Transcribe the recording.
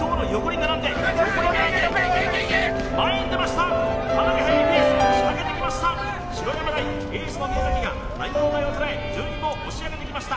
かなり速いペースで仕掛けてきました白山大エースの宮崎が南葉大を捉え順位も押し上げてきました